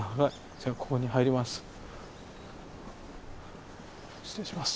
じゃあここに入ります。